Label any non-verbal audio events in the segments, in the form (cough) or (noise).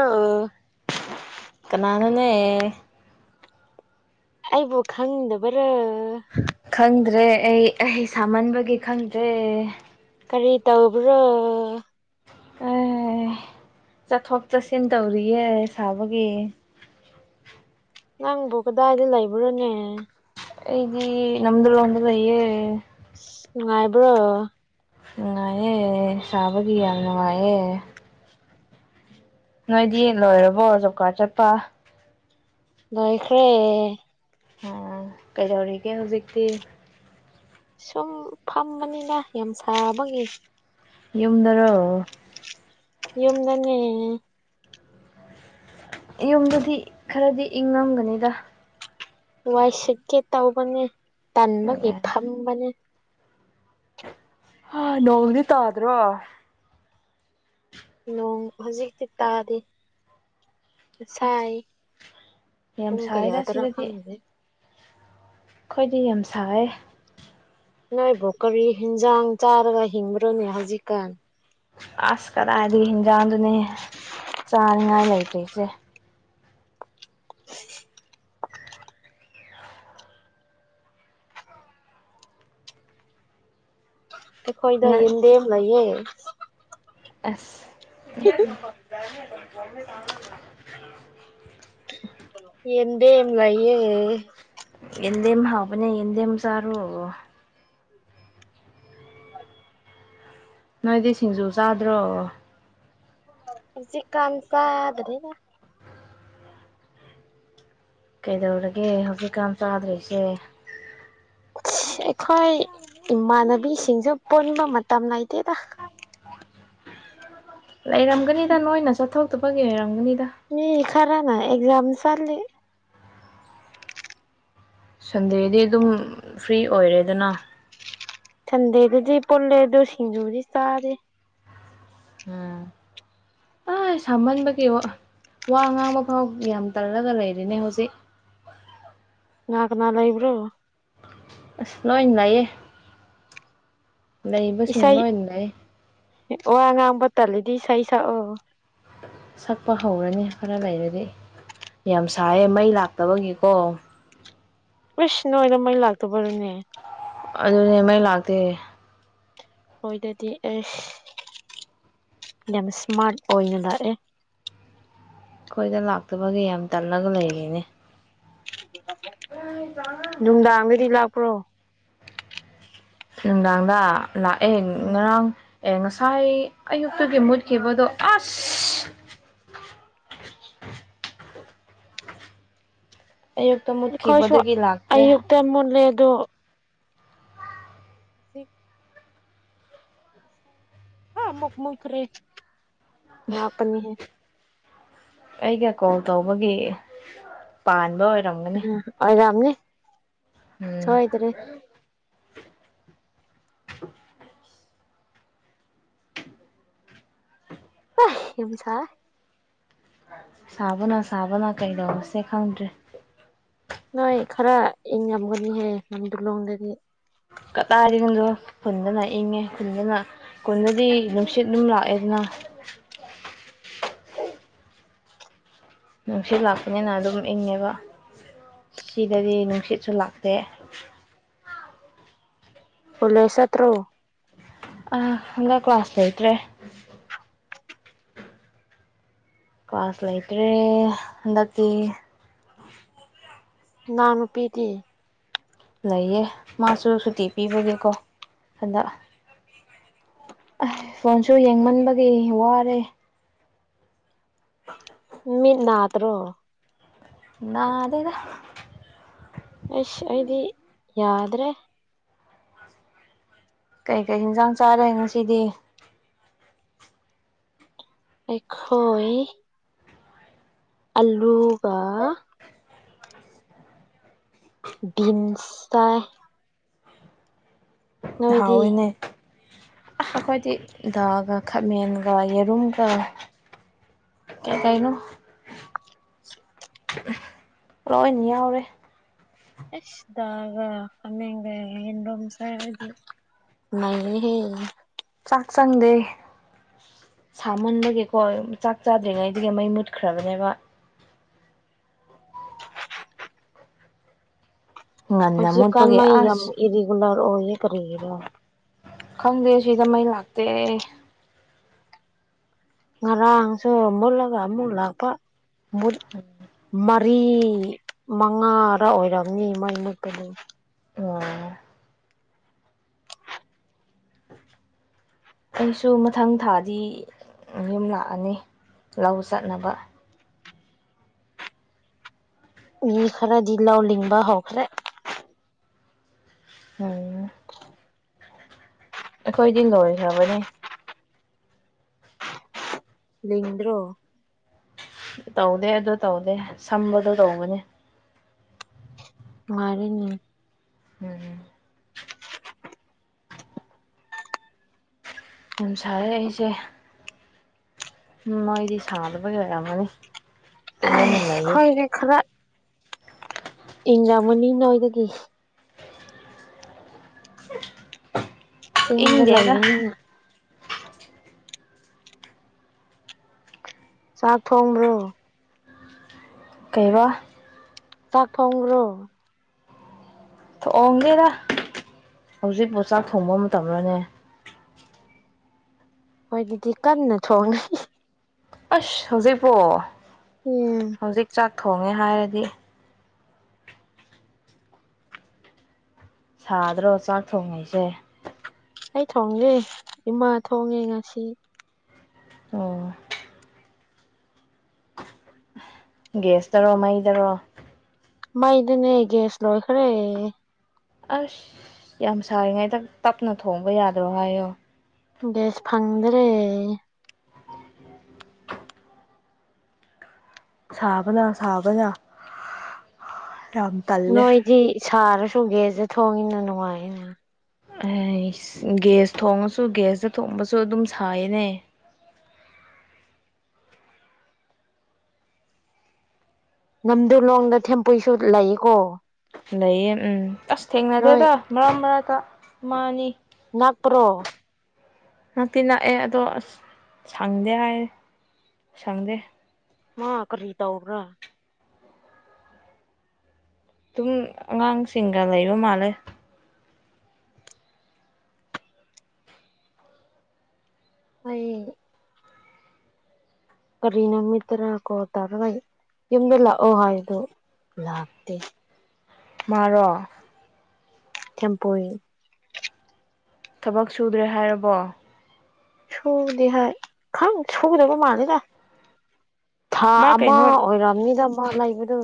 ꯑꯩꯕꯨ ꯀꯅꯥꯅꯅꯦ ꯑꯏꯕꯨꯣ ꯈꯪꯗꯕꯔ (unintelligible) ꯈꯪꯗ꯭ꯔꯦ ꯑꯩ ꯑꯩ ꯁꯥꯃꯟꯕꯒꯤ ꯈꯪꯗ꯭ꯔꯦ ꯀꯔꯤ ꯇꯧꯕ꯭ꯔꯣ ꯑꯦ ꯆꯠꯊꯣꯛ ꯆꯠꯁꯤꯟ ꯇꯧꯔꯤꯌꯦꯦ ꯁꯥꯕꯒꯤ ꯅꯪ ꯣꯛꯒꯗꯥꯗꯤ ꯂꯏꯕ꯭ꯔꯅꯦ ꯑꯩꯗꯤ ꯅꯝꯗꯨꯟꯌꯦꯦ ꯅꯨꯡꯉꯥꯏꯕ꯭ꯔꯣ ꯉꯑꯦ ꯁꯥꯕꯒꯤꯌꯥꯅꯣꯉꯌꯦꯦ ꯅꯣꯏꯗꯤ ꯂꯣꯏꯔꯕꯣ ꯖꯣꯕ ꯀꯥꯔꯠ ꯆꯠꯄ ꯂꯣꯏꯈ꯭ꯔꯦ ꯑꯣ ꯀꯩꯗꯧꯔꯤꯒꯦ ꯍꯧꯖꯤꯛꯇꯤ ꯁꯨꯝ ꯐꯝꯕꯅꯤꯅ ꯌꯥꯝ ꯁꯥꯔꯕꯒꯤ ꯌꯨꯝꯗꯔꯣ ꯌꯝ ꯅꯅꯦ ꯌꯨꯝꯗꯗꯤ ꯈꯔꯗꯤ ꯏꯪꯉꯝꯒꯅꯤꯗ ꯋꯥꯏ ꯁꯤꯠꯀꯦ ꯇꯥꯎꯕꯅꯤ ꯇꯟꯕꯒꯤ ꯐꯝꯕꯅꯤ ꯍꯥ ꯅꯣꯡꯗꯤ ꯇ꯭ꯗꯣ ꯅꯣꯡ ꯍꯧꯖꯤꯛꯇꯤ ꯇꯥꯗꯦ ꯑꯁ ꯉꯁꯥꯏ ꯌꯥꯝ ꯄꯨꯡ ꯀꯌꯥ ꯁꯥꯏꯗ ꯇꯔꯥ ꯈꯪꯕꯦ ꯈꯣꯏꯗꯤ ꯌꯥꯝ ꯁꯥꯏꯌꯦ ꯅꯣꯏ ꯚꯣꯀꯔꯤ ꯍꯦꯟꯖꯥꯡ ꯆꯥꯔꯒ ꯍꯤꯡꯕ꯭ꯔꯅꯤ ꯍꯧꯖꯤꯛꯀꯥꯟ ꯑꯁ ꯀꯗꯥꯏꯗꯤ ꯍꯤꯟꯖꯥꯡꯗꯨꯅꯦ ꯆꯥꯅꯤꯡꯉꯥꯏ ꯂꯩꯇ꯭ꯔꯤꯁꯦ ꯑꯩꯈꯣꯏꯗ ꯌꯦꯟꯗꯦꯝ ꯂꯩꯌꯦ ꯑꯦꯁ (inaudible) (inaudible) ꯌꯦꯟꯗꯦꯝ ꯂꯩꯌꯦ ꯍꯤꯗꯦꯝ ꯍꯥꯥꯎꯕ ꯍꯤꯡꯗꯦꯝ ꯁꯥꯔꯣ ꯅꯣꯏꯗꯤ ꯁꯤꯡꯖꯨ ꯆꯥꯗ꯭ꯔꯣꯕ ꯖꯤ ꯀꯥꯟꯁ ꯌꯥꯗꯅꯦꯦ ꯀꯩꯗꯧꯔꯒꯦ ꯍꯧꯖꯤꯛꯀꯥꯟ ꯆꯥꯗ꯭ꯔꯤꯁꯦ ꯑꯩꯈꯣꯏ ꯏꯃꯥꯟꯅꯕꯤꯁꯤꯡꯁꯨ ꯄꯨꯟꯕ ꯃꯇꯝ ꯂꯩꯇꯦꯗ ꯂꯩꯔꯝꯒꯅꯤꯗ ꯅꯣꯏꯅ ꯆꯠ ꯊꯇꯨꯄꯒꯤ ꯑꯣꯏꯔꯝꯒꯅꯤ ꯈꯔꯥ ꯅ ꯑꯦꯛꯖꯥꯝ ꯆꯠꯂꯤ ꯁꯟꯗꯦꯗꯤ ꯑꯗꯨꯝ ꯐ꯭ꯔꯤ ꯑꯣꯏꯔꯦꯗꯅ ꯁꯟꯗꯦꯗꯗꯤ ꯄꯨꯣꯜꯂꯦ ꯑꯗꯨ ꯁꯤꯡꯖꯨꯗꯤ ꯆꯥꯔꯦ ꯎꯝ ꯑꯩ ꯁꯥꯍꯟꯕꯒꯤ ꯋꯥ ꯉꯥꯡꯕ ꯐꯥꯎ ꯌꯥꯝ ꯇꯜꯂꯒ ꯂꯩꯔꯤꯅꯦ ꯍꯧꯖꯤꯛ ꯂꯅꯥꯀꯅꯥꯜ ꯏꯕ꯭ꯔꯣ ꯑꯁ ꯂꯣꯏꯅ ꯂꯑꯌꯦ ꯂꯩꯕꯁꯤꯡ ꯏꯁꯩ ꯂꯣꯏꯗ ꯂꯩ ꯋꯥ ꯑ ꯉꯥꯡꯕ ꯇꯂꯗꯤ ꯁꯁꯑꯣ ꯁꯛꯄ ꯍꯧꯔꯅꯤ ꯈꯔ ꯂꯩꯔꯗꯤ ꯌꯥꯝ ꯁꯥꯏꯌꯦꯦ ꯃꯩ ꯂꯥꯛꯇꯕꯒꯤꯀꯣ ꯎꯁ ꯅꯣꯏꯗ ꯃꯩ ꯂꯥꯛꯇꯕꯔꯅꯦ ꯑꯗꯨꯅꯦ ꯃꯩ ꯂꯥꯛꯇꯦ ꯍꯣꯏꯗꯗꯤ ꯑꯁ ꯌꯥꯝ ꯏꯁꯃꯥꯔꯠ ꯑꯣꯏꯅ ꯂꯥꯛꯑꯦ ꯑꯩꯈꯣꯏꯗ ꯂꯥꯛꯇꯕꯒꯤ ꯌꯥꯝ ꯇꯜꯂꯒ ꯂꯩꯔꯤꯅꯦ ꯅꯨꯡꯗꯥꯡꯒꯗꯤ ꯂꯥꯛꯄ꯭ꯔꯣ ꯅꯨꯡꯗꯥꯗ ꯂꯥꯛꯑꯦ ꯎꯝ ꯉꯔꯥꯡ ꯑꯦ ꯉꯁꯥꯏ ꯑꯌꯨꯛꯇꯨꯒꯤ ꯃꯨꯠꯈꯤꯕꯗꯣ ꯑꯁ ꯑꯌꯨꯛꯇ ꯑꯩꯈꯣꯏꯁꯨ ꯃꯨꯠꯈꯤꯕꯗꯒꯤ ꯂꯥꯛꯇ꯭ꯔꯦ ꯑꯌꯨꯛꯇ ꯃꯨꯠꯂꯦ ꯑꯗꯨꯣ ꯍꯧꯖꯤꯛ ꯍꯥ ꯃꯛꯃꯨꯈ ꯔꯦ ꯂꯄꯅꯤꯦ ꯑꯩꯒ ꯀꯣꯜ ꯇꯧꯕꯒꯤ ꯄꯥꯟꯕ ꯑꯣꯏꯔ ꯎꯝ ꯑꯣꯏꯔ ꯌꯥꯝꯝꯅꯤ ꯎꯝ ꯁꯣꯏꯗ꯭ꯔꯦ ꯍ ꯌ ꯁꯥ ꯁꯥꯕꯅ ꯁꯥꯕꯅ ꯀꯩꯗꯁꯦ ꯈꯥꯎꯟꯔꯤ ꯅꯣꯏꯣꯏ ꯈꯔ ꯏ ꯌꯥꯝꯝꯒꯦ ꯗꯂꯨꯣꯡ ꯂꯩ ꯀꯗꯥꯏꯔꯤꯒꯣꯗꯣ ꯈꯨꯟꯗꯅ ꯏꯪꯉꯦ ꯈꯨꯟꯗꯅ ꯈꯨꯟꯗꯗꯤ ꯅꯨꯡꯁꯤꯠ ꯑꯗꯨꯝ ꯂꯥꯛꯑꯦꯗꯅ ꯅꯨꯡꯁꯤꯠ ꯂꯥꯛꯄꯅꯤꯅ ꯑꯗꯨꯝ ꯏꯪꯉꯦꯕ ꯁꯤꯗꯗꯤ ꯅꯨꯡꯁꯤꯠꯁꯨ ꯂꯥꯛꯇꯦ ꯄꯨꯂꯁ ꯊ꯭ꯔꯣ ꯑ ꯍ ꯀ꯭ꯂꯥꯁꯇ꯭ꯔꯦ ꯀ꯭ꯂꯥꯁ ꯂꯩꯥꯏꯇ꯭ꯔꯦ ꯍꯀꯤ ꯅꯥ ꯅꯨꯄꯤꯗꯤ ꯂꯩꯌꯦ ꯃꯥꯁꯨ ꯁꯨꯇꯤ ꯄꯤꯕꯒꯤꯀꯣ ꯍꯟꯗꯛ ꯑ ꯐꯣꯟꯁꯨ ꯌꯦꯡꯃꯟꯕꯒꯤ ꯋꯥꯔꯦ (unintelligible) ꯃꯤ ꯅꯅꯥꯠꯇ꯭ꯔꯣ ꯅꯥꯗꯗ ꯑꯁ ꯑꯩꯗꯤ ꯌꯥꯗ꯭ꯔꯦ ꯀꯩꯀꯩ ꯌꯦꯟꯁꯥꯡ ꯆꯥꯔꯦ ꯉꯁꯤꯗꯤ ꯑꯦꯣꯏ ꯑꯜꯂꯨꯕ ꯕꯤꯤꯟꯁꯇꯥ ꯍꯑꯣꯏꯅꯦ ꯑꯩꯈꯣꯏꯗꯤ ꯗꯥꯒ ꯈꯥꯃꯦꯟꯒ ꯌꯦꯔꯨꯝꯒ ꯀꯩꯀꯩꯅꯣ ꯂꯣꯏꯅ ꯌꯥꯎꯔꯦ ꯑꯦꯁ ꯒꯃꯦꯒ ꯍꯣꯝꯁꯗꯤ ꯃ ꯆꯥꯛ ꯆꯪꯗꯦ ꯁꯥꯃꯟꯕꯒꯤꯀꯣ ꯆꯥꯛ ꯆꯥꯗ꯭ꯔꯤꯉꯩꯗꯨꯒꯤ ꯃꯩ ꯃꯨꯠꯈ꯭ꯔꯕꯅꯦꯕ ꯉꯟꯅ ꯍꯧꯁꯨ ꯃꯨꯠꯄꯒꯤ ꯀꯥꯟꯅ ꯌꯥꯝ ꯑꯁ ꯑꯦꯔꯤꯒꯂꯥ ꯎꯍ ꯇꯔꯤꯔ ꯈꯪꯗꯦ ꯁꯤꯗ ꯃꯩ ꯂꯥꯛꯇꯦ ꯉꯔꯥꯡꯁꯨ ꯃꯨꯜꯂꯒ ꯑꯃꯨꯂꯛꯄ ꯃꯥ ꯃꯔꯤ ꯃꯉꯥꯔ ꯑꯣꯏꯔꯝꯅꯤ ꯏ ꯃꯥꯏ ꯃꯛꯇꯅꯤ ꯑꯣ ꯑꯩꯁꯨ ꯃꯊꯪ ꯊꯥꯗꯤ ꯌꯨꯝ ꯂꯥꯛꯑꯅꯤ ꯂꯧ ꯆꯠꯅꯕ ꯏ ꯈꯔ ꯖꯤꯜꯂꯥꯎꯂꯤꯕ ꯍꯧꯈ꯭ꯔꯦ ꯑꯣ ꯑꯩꯈꯣꯏꯗꯤ ꯂꯣꯏꯈ꯭ꯔꯕꯅꯦ ꯂꯗ꯭ꯔꯣ ꯇꯧꯗꯦ ꯑꯗꯨ ꯇꯧꯗꯦ ꯁꯝꯕꯗꯣ ꯇꯧꯕꯅꯤ ꯃꯥꯔꯅꯤ ꯎꯝ ꯌꯥꯝ ꯁꯥꯔꯦ ꯑꯩꯁꯦ ꯎꯝ ꯃꯣꯏꯗꯤ ꯁꯥꯥꯟꯗꯕꯒꯤ ꯂꯩꯔꯝꯃꯅꯤ ꯑꯩꯣꯏꯅꯦ ꯈꯔ ꯏꯪꯖꯃꯅꯤ ꯅꯣꯏꯗꯒꯤ ꯆꯤꯡꯗ ꯏꯪꯗꯦꯗ ꯂꯩꯕꯅꯤꯅ ꯆꯥꯛ ꯊꯣꯡꯕ꯭ꯔꯣ ꯀꯩꯕ ꯆꯄ꯭ꯔꯣ ꯊꯑꯣꯡꯒꯦꯗ ꯍꯧꯖꯤꯛꯄꯨ ꯆꯥꯛ ꯊꯣꯡꯕ ꯃꯇꯝꯅꯦ ꯍꯣꯏ ꯑꯗꯨꯗꯤ ꯀꯟꯅ ꯊꯣꯡꯅꯩ ꯑꯁ ꯍꯧꯖꯤꯛꯄꯣ ꯎꯝ ꯊꯣꯡꯉꯦ ꯍꯥꯏꯔꯗꯤ ꯁꯥꯗ꯭ꯔꯣ ꯆꯥꯛ ꯊꯣꯡꯉꯩꯁꯦ ꯑꯩ ꯊꯣꯡꯒꯦ ꯏꯃꯥ ꯊꯣꯡꯉꯦ ꯉꯁꯤ ꯑꯣ ꯒꯦꯁꯇꯔꯣ ꯃꯩꯗꯔꯣ ꯃꯥꯏꯗꯤꯅꯦꯒꯦꯁꯂꯣ ꯈꯔꯦ ꯑꯁ ꯌꯥꯝ ꯁꯥꯔꯤꯉꯩꯗꯪ ꯇꯞꯅ ꯊꯣꯡꯕ ꯌꯥꯗ꯭ꯔꯣ ꯍꯥꯏꯌꯣ ꯒꯦꯁ ꯐꯪꯗ꯭ꯔꯦ ꯁꯥꯥꯕꯅ ꯁꯥꯥꯕꯅ ꯅꯣꯏꯗꯤ ꯁꯔ ꯆꯨꯒꯦꯁꯦ ꯊꯣꯡꯉꯤꯅ ꯅꯨꯡꯉꯥꯏꯅ ꯑꯦ ꯒꯤꯁ ꯊꯣꯡꯉꯁꯨ ꯒꯁꯇ ꯊꯣꯡꯕꯁꯨ ꯑꯗꯨꯝ ꯁꯥꯏꯌꯦꯅꯦ ꯅꯝꯗꯤꯂꯣꯡꯗ ꯊꯦꯝꯄꯨꯁꯨ ꯂꯩꯌꯦꯀꯣ ꯂꯩꯌꯦ ꯎꯝ ꯅꯣꯏ ꯊꯦꯡꯅꯗꯦꯗ ꯃꯔꯛ ꯃꯔꯛꯇ ꯃꯥꯅꯤ ꯅꯥꯥꯛꯄ꯭ꯔꯣ ꯉꯛꯇꯤ ꯅꯛꯑꯦ ꯑꯗꯣ ꯑꯁ ꯁꯪꯗꯦ ꯍꯥꯏ ꯁꯪꯗꯦ ꯑ ꯀꯔꯤꯔꯤ ꯇꯎ꯭ꯔꯥ ꯑꯗꯨꯝ ꯑꯉꯥꯡꯁꯤꯡꯒ ꯂꯩꯕ ꯃꯥꯜꯂꯦ ꯍ ꯀꯔꯤꯅꯝꯇꯔ ꯀꯣ ꯇꯔꯣꯏ ꯌ ꯂ ꯑꯣ ꯍꯥꯏꯣ ꯂꯥꯛꯥꯛꯇꯦ ꯃꯔ ꯆꯦꯝꯄꯔꯤ ꯊꯕꯛ ꯁꯨꯗ꯭ꯔꯦ ꯍꯥꯏꯔꯕꯣ ꯁꯧꯗꯤꯦ ꯍꯥꯏꯥꯏ ꯈꯪ ꯁꯧꯗꯕꯨ ꯃꯅꯗ ꯊꯥ ꯃꯥ ꯑꯃ ꯀꯩꯅꯣ ꯑꯣꯏꯔꯝꯅꯤꯗ ꯐꯜ ꯂꯒ ꯇꯣ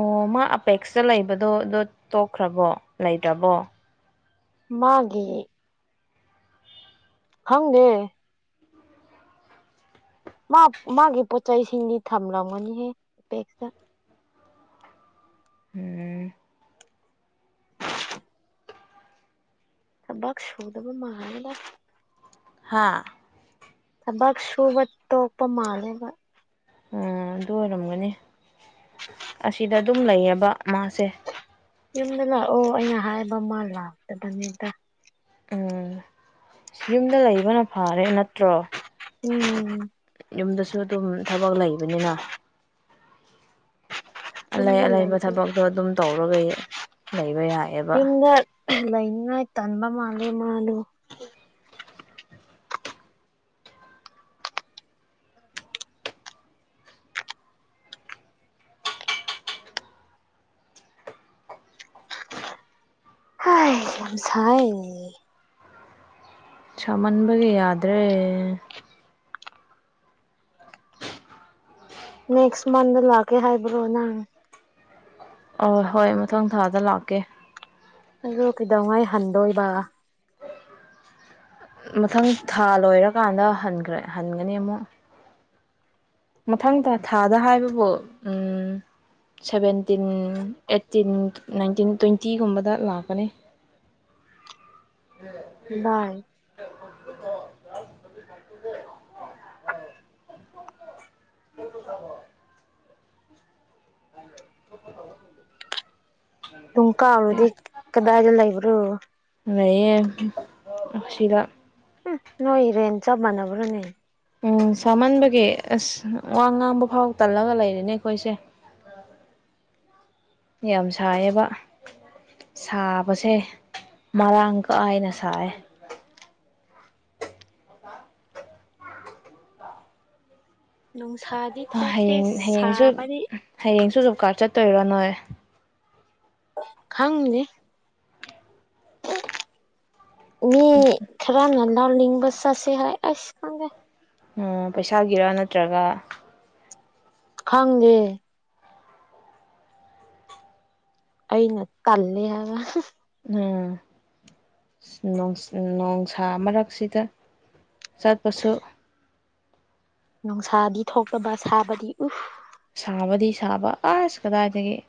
ꯑꯣ ꯃꯥ ꯑꯄꯦꯛꯁꯇ ꯂꯩꯕꯗꯣ ꯑꯗꯨꯣ ꯇꯣꯛꯈ꯭ꯔꯕꯣ ꯂꯩꯗ꯭ꯔꯕꯣ ꯃꯥꯒꯤ ꯍꯪꯒꯦ ꯃꯥ ꯃꯥꯒꯤ ꯄꯣꯠꯆꯩꯁꯤꯡꯗꯤ ꯊꯝꯂꯝꯒꯅꯤꯍꯦ ꯕꯦꯛꯇ ꯎꯝ ꯊꯕꯛ ꯁꯨꯗꯕ ꯃꯥꯜꯂꯦꯗ ꯍꯥꯥ ꯊꯕꯛ ꯁꯨꯕ ꯇꯣꯛꯄ ꯃꯥꯜꯂꯦꯕ ꯑꯣ ꯑꯗꯨ ꯑꯣꯏꯔꯝꯒꯅꯤ ꯑꯁꯤꯗ ꯑꯗꯨꯝ ꯂꯩꯌꯦꯕ ꯃꯥꯁꯦ ꯌꯨꯝꯗ ꯂꯥꯛꯑꯣ ꯑꯩꯅ ꯍꯥꯏꯕ ꯃꯥ ꯂꯥꯛꯇꯕꯅꯤꯗ ꯎꯝ ꯑ ꯌꯨꯝꯗ ꯂꯩꯕꯅ ꯐꯔꯦ ꯅꯠꯇ꯭ꯔꯣ ꯎꯝ ꯌꯨꯝꯗꯁꯨ ꯑꯗꯨꯝ ꯊꯕꯛ ꯂꯩꯕꯅꯤꯅ ꯑꯂꯩ ꯌꯨꯝꯗ ꯑꯂꯩꯕ ꯂꯩꯇꯦ ꯊꯕꯛꯇꯣ ꯑꯗꯨꯝ ꯇꯧꯔ ꯂꯩ ꯂꯩ (unintelligible) ꯌꯥꯏꯑꯦꯕ ꯂꯩꯥꯏꯅ ꯇꯟꯕ ꯃꯥꯂꯦ ꯃꯥꯂ ꯍꯥꯏ ꯁꯥꯏ ꯁꯃꯟꯕꯒꯤ ꯌꯥꯗ꯭ꯔꯦ ꯅꯦꯛꯁ ꯃꯟꯗ ꯂꯥꯛꯀꯦ ꯍꯥꯏꯕ꯭ꯔꯣ ꯅꯪ ꯑ ꯍꯣꯏ ꯃꯊꯪ ꯊꯥꯗ ꯂꯥꯛꯀꯦ ꯑꯗꯨꯗ ꯀꯩꯗꯧꯉꯥꯏ ꯍꯟꯗꯣꯏꯕ ꯃꯊꯪ ꯊꯥ ꯂꯣꯏꯔꯀꯥꯟꯗ ꯍꯟꯈ꯭ꯔꯦ ꯍꯟꯒꯅꯤ ꯑꯃꯨꯛ ꯃꯊꯪꯗ ꯊꯥꯗ ꯍꯥꯏꯕꯕꯨ ꯁꯚꯦꯟꯇꯤꯟ ꯑꯩꯠꯇꯤꯟ ꯅꯥꯏꯟꯇꯤꯟ ꯇ꯭ꯋꯦꯟꯇꯤꯒꯨꯝꯕꯗ ꯂꯥꯛꯀꯅꯤ (inaudible) (inaudible) ꯚꯥꯏ (inaudible) ꯨꯀꯨꯝ ꯀꯥꯎꯔꯗꯤ ꯀꯗꯥꯏꯗ ꯂꯩꯕ꯭ꯔꯣ ꯁꯤꯗ ꯎ ꯅꯣꯏ ꯔꯦꯜ ꯆꯞ ꯃꯥꯟꯅꯕꯔꯅꯦ ꯎꯝ ꯁꯥꯃꯟꯕꯒꯤ ꯑꯁ ꯋꯥ ꯉꯥꯡꯕ ꯐꯥꯎ ꯇꯜꯂꯒ ꯂꯩꯔꯦꯅꯦ ꯑꯩꯈꯣꯏꯁꯦ ꯌꯥꯝ ꯁꯥꯏꯌꯦꯕ ꯁꯥꯕꯁꯦ ꯃꯔꯥꯡ ꯀꯥꯥꯏꯅ ꯁꯥꯏꯌꯦ (unintelligible) ꯊꯣꯛꯇꯦ ꯍꯌꯦꯡ ꯍꯌꯦꯡꯁꯨ ꯁꯥꯕꯗꯤ ꯍꯌꯦꯡꯁꯨ ꯀꯂꯥꯁ ꯆꯠꯇꯣꯏꯔꯣ ꯅꯣꯏ ꯈꯪꯉꯤꯅꯦ ꯃꯤ ꯈꯔ ꯅ ꯅꯜ ꯂꯤꯡꯕ ꯆꯁꯤ ꯍꯥꯏ ꯑꯁ ꯈꯪꯗꯦ ꯎ ꯄꯩꯁꯥꯒꯤꯔꯥ ꯅꯠꯇ꯭ꯔꯒ ꯈꯪꯒꯦ ꯑꯩꯅ ꯀꯜꯂꯦ ꯍꯥꯏꯕ ꯎꯝ ꯅꯣꯡꯁꯥ ꯃꯔꯛꯁꯤꯗ ꯆꯠꯄꯁꯨ ꯅꯨꯡꯁꯥꯗꯤ ꯊꯣꯛꯇꯕ ꯁꯥꯕꯗꯤ ꯎ ꯁꯥꯕꯗꯤ ꯁꯥꯕ ꯑꯁ ꯀꯗꯥꯏꯗꯒꯤꯦ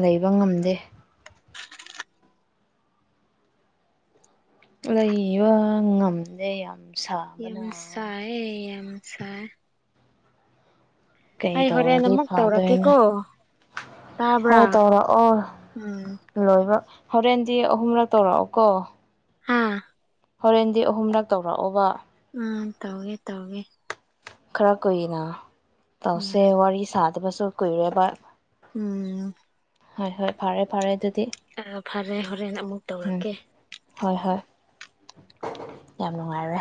ꯂꯩꯕ ꯉꯝꯗꯦ ꯑꯗꯩ ꯋꯥ ꯉꯝꯗꯦ ꯌꯥꯝ ꯁꯥꯕꯅ ꯌꯥꯝꯦꯝꯁ ꯑꯦ ꯌꯥꯝꯦꯝ ꯁꯏ ꯀꯩ ꯇꯧꯔꯗꯤ ꯑꯃꯨꯛ ꯐꯥꯗꯣꯏꯅꯣ ꯇꯧꯔꯛꯀꯦꯀꯣ ꯇꯥꯕ꯭ꯔꯥ ꯍꯣꯏ ꯇꯧꯔꯛꯑꯣ ꯎꯝ ꯂꯣꯏꯕ ꯍꯣꯔꯦꯟꯗꯤ ꯑꯍꯨꯝꯂꯛ ꯇꯧꯔꯛꯑꯣ ꯀꯣ ꯍꯥꯥ ꯍꯣꯔꯦꯟꯗꯤ ꯑꯍꯨꯝꯂꯛ ꯇꯧꯔꯛꯑꯣꯕ ꯑ ꯇꯧꯒꯦ ꯇꯧꯒꯦ ꯈꯔ ꯀꯨꯏꯅ ꯇꯦ ꯎꯝ ꯋꯥꯔꯤꯔꯤ ꯁꯥꯠ ꯑꯗꯨꯁꯨ ꯀꯨꯏꯔꯦꯕ ꯎꯝ ꯍꯣꯏ ꯍꯣꯏ ꯐꯔꯦ ꯐꯔꯦ ꯑꯗꯨꯗꯤ ꯑ ꯐꯔꯦ ꯍꯔ ꯍꯣꯔꯦꯅ ꯑꯃꯨꯛ ꯎꯝ ꯇꯧꯔꯛꯀꯦ ꯍꯣꯏ ꯍꯣꯏ ꯌꯥꯝ ꯅꯨꯡꯉꯥꯏꯔꯦ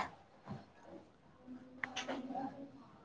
(unintelligible)